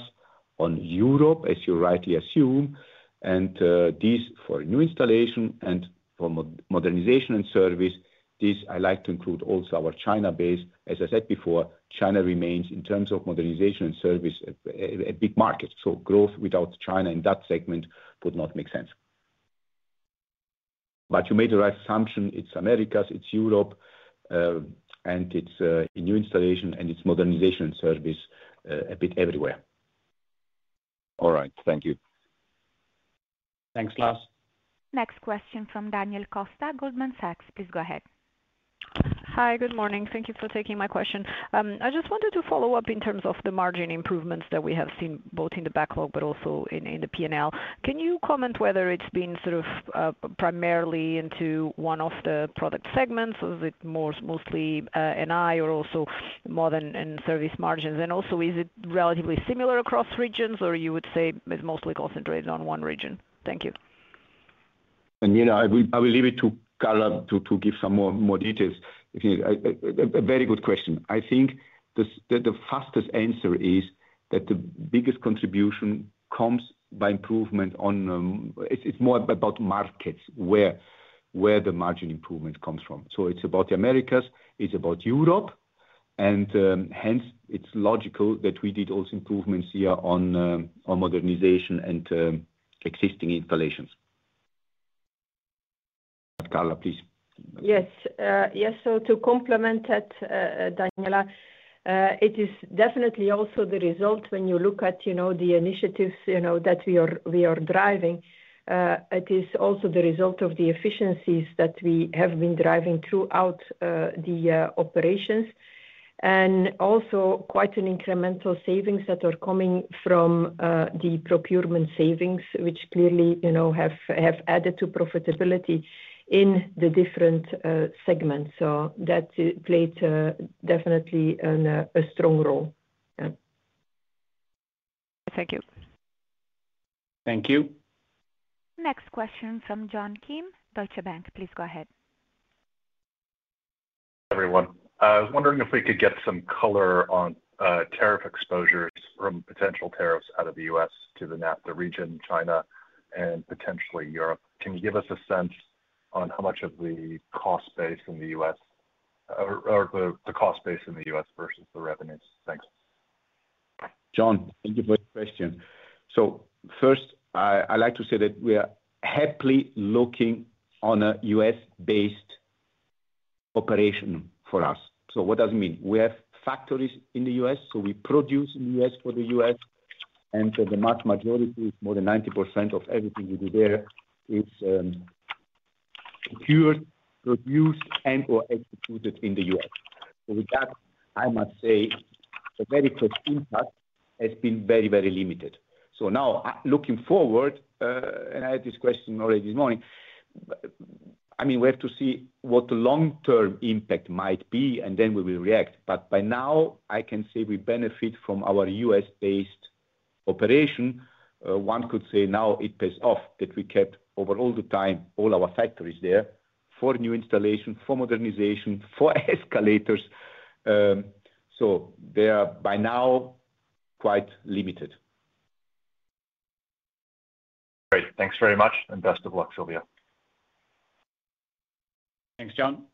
on Europe, as you rightly assume. And these for new installation and for modernization and service, these I like to include also our China base. As I said before, China remains in terms of modernization and service a big market. So growth without China in that segment would not make sense. But you made the right assumption. It's Americas, it's Europe, and it's new installation and it's modernization and service a bit everywhere. All right, thank you. Thanks, Lars. Next question from Daniela Costa, Goldman Sachs. Please go ahead. Hi, good morning. Thank you for taking my question. I just wanted to follow up in terms of the margin improvements that we have seen both in the backlog but also in the P&L. Can you comment whether it's been sort of primarily into one of the product segments, or is it mostly NI or also modern and service margins? And also, is it relatively similar across regions, or you would say it's mostly concentrated on one region? Thank you. And I will leave it to Carla to give some more details. A very good question. I think the fastest answer is that the biggest contribution comes by improvement on it's more about markets where the margin improvement comes from. So it's about the Americas, it's about Europe, and hence, it's logical that we did also improvements here on modernization and existing installations. Carla, please. Yes. Yes. So to complement that, Daniela, it is definitely also the result when you look at the initiatives that we are driving. It is also the result of the efficiencies that we have been driving throughout the operations and also quite an incremental savings that are coming from the procurement savings, which clearly have added to profitability in the different segments. So that played definitely a strong role. Thank you. Thank you. Next question from John Kim, Deutsche Bank. Please go ahead. Hi, everyone. I was wondering if we could get some color on tariff exposures from potential tariffs out of the US to the NAFTA region, China, and potentially Europe? Can you give us a sense on how much of the cost base in the US or the cost base in the US versus the revenues? Thanks. John, thank you for the question. So first, I like to say that we are happily looking on a US-based operation for us. So what does it mean? We have factories in the US, so we produce in the US for the US, and the vast majority, more than 90% of everything we do there, is secured, produced, and/or executed in the US. So with that, I must say the very first impact has been very, very limited. So now, looking forward, and I had this question already this morning, I mean, we have to see what the long-term impact might be, and then we will react. But by now, I can say we benefit from our US-based operation. One could say now it pays off that we kept over all the time all our factories there for new installation, for modernization, for escalators. So they are by now quite limited. Great. Thanks very much, and best of luck, Silvio. Thanks, John.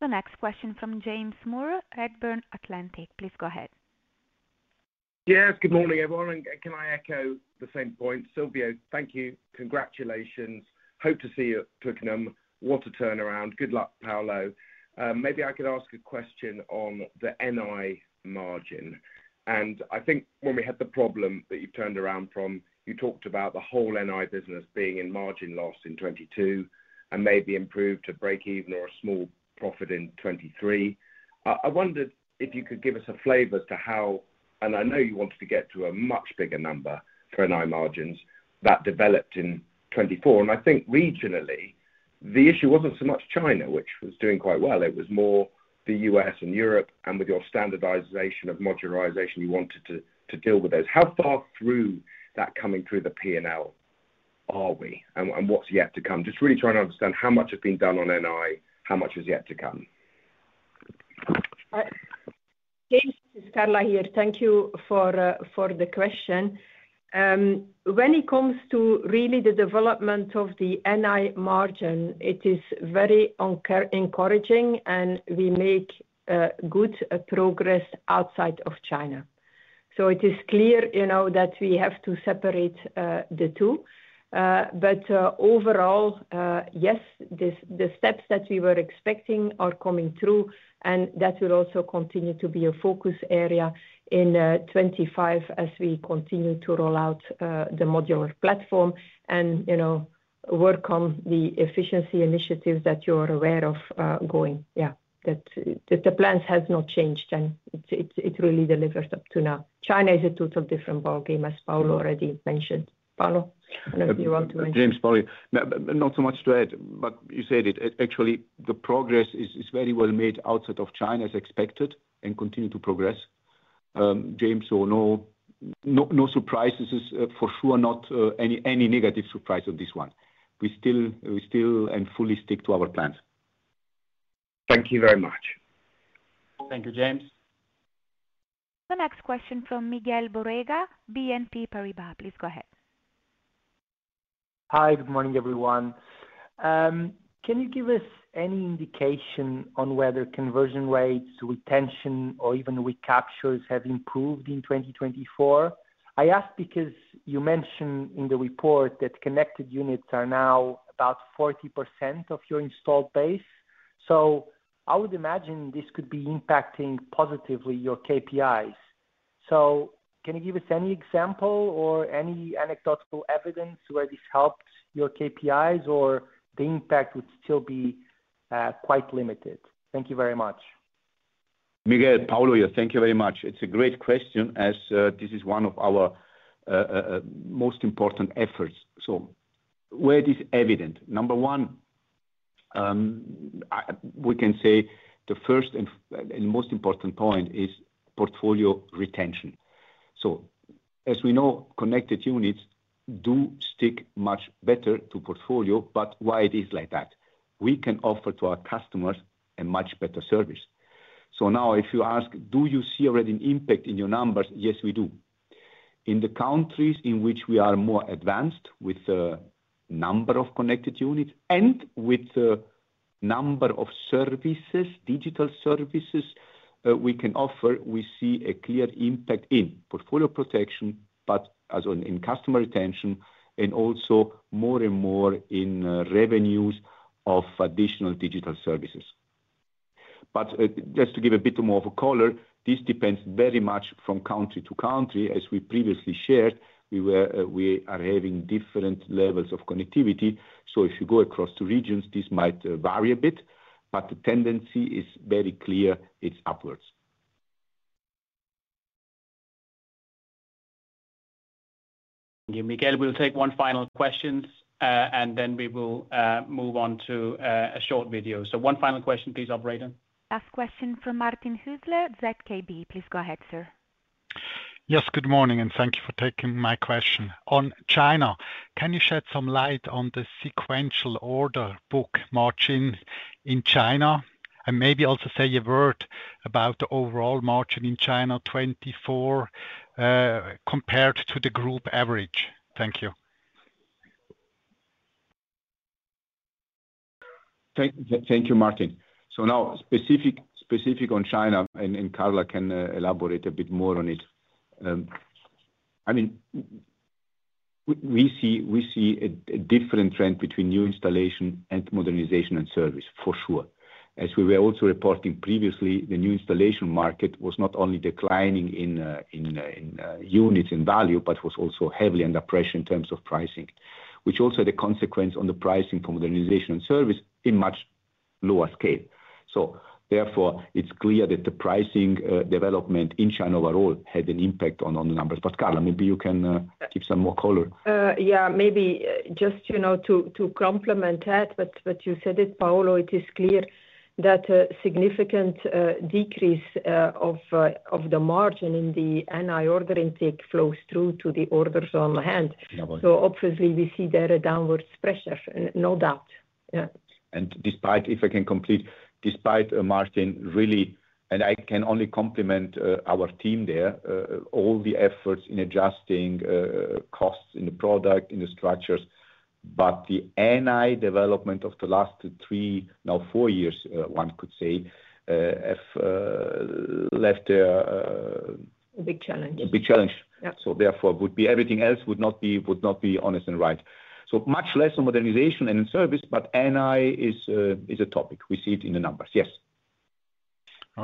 The next question from James Moore, Redburn Atlantic. Please go ahead. Yes, good morning, everyone. And can I echo the same point? Silvio, thank you. Congratulations. Hope to see you at Turkinum. What a turnaround. Good luck, Paolo. Maybe I could ask a question on the NI margin. And I think when we had the problem that you've turned around from, you talked about the whole NI business being in margin loss in 2022 and maybe improved to break even or a small profit in 2023. I wondered if you could give us a flavor as to how, and I know you wanted to get to a much bigger number for NI margins that developed in 2024. And I think regionally, the issue wasn't so much China, which was doing quite well. It was more the US and Europe, and with your standardization of modernization, you wanted to deal with those. How far through that coming through the P&L are we, and what's yet to come? Just really trying to understand how much has been done on NI, how much is yet to come. James, Carla here. Thank you for the question. When it comes to really the development of the NI margin, it is very encouraging, and we make good progress outside of China. So it is clear that we have to separate the two. But overall, yes, the steps that we were expecting are coming through, and that will also continue to be a focus area in 2025 as we continue to roll out the modular platform and work on the efficiency initiatives that you are aware of going. Yeah, the plans have not changed, and it really delivers up to now. China is a total different ballgame, as Paolo already mentioned. Paolo, I don't know if you want to answer. James, probably not so much to add, but you said it. Actually, the progress is very well made outside of China as expected and continues to progress. James, so no surprise. This is for sure not any negative surprise on this one. We still and fully stick to our plans. Thank you very much. Thank you, James. The next question from Miguel Borrega, BNP Paribas. Please go ahead. Hi, good morning, everyone. Can you give us any indication on whether conversion rates, retention, or even recaptures have improved in 2024? I ask because you mentioned in the report that connected units are now about 40% of your installed base. So I would imagine this could be impacting positively your KPIs. So can you give us any example or any anecdotal evidence where this helped your KPIs, or the impact would still be quite limited? Thank you very much. Thank you very much. It's a great question as this is one of our most important efforts. So where it is evident, number one, we can say the first and most important point is portfolio retention. So as we know, connected units do stick much better to portfolio, but why it is like that? We can offer to our customers a much better service. So now, if you ask, do you see already an impact in your numbers? Yes, we do. In the countries in which we are more advanced with the number of connected units and with the number of services, digital services we can offer, we see a clear impact in portfolio protection, but also in customer retention, and also more and more in revenues of additional digital services. But just to give a bit more of a color, this depends very much from country to country. As we previously shared, we are having different levels of connectivity. So if you go across the regions, this might vary a bit, but the tendency is very clear. It's upwards. Thank you, Miguel. We'll take one final question, and then we will move on to a short video. So one final question, please, Operator. Last question from Martin Hüsler, ZKB. Please go ahead, sir. Yes, good morning, and thank you for taking my question. On China, can you shed some light on the sequential order book margin in China and maybe also say a word about the overall margin in China 2024 compared to the group average? Thank you. Thank you, Martin. So now, specifically on China. And Carla can elaborate a bit more on it. I mean, we see a different trend between new installation and modernization and service, for sure. As we were also reporting previously, the new installation market was not only declining in units and value, but was also heavily under pressure in terms of pricing, which also had a consequence on the pricing for modernization and service on a much lower scale. So therefore, it's clear that the pricing development in China overall had an impact on the numbers. But Carla, maybe you can give some more color. Yeah, maybe just to complement that, what you said is, Paolo, it is clear that a significant decrease of the margin in the NI ordering intake flows through to the orders on hand. So obviously, we see there a downward pressure, no doubt. Yeah. And despite, if I can comment, despite Martin, really, and I can only compliment our team there, all the efforts in adjusting costs in the product, in the structures, but the NI development of the last three, now four years, one could say, have left a big challenge. A big challenge. So therefore, everything else would not be honest and right. So much less on modernization and service, but NI is a topic. We see it in the numbers. Yes.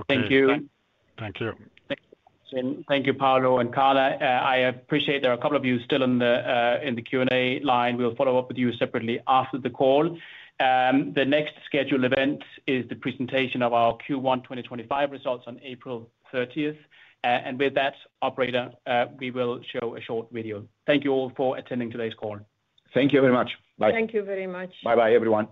Thank you. Thank you. Thank you, Paolo and Carla. I appreciate there are a couple of you still in the Q&A line. We'll follow up with you separately after the call. The next scheduled event is the presentation of our Q1 2025 results on April 30th, and with that, Operator, we will show a short video. Thank you all for attending today's call. Thank you very much. Bye. Thank you very much. Bye-bye, everyone.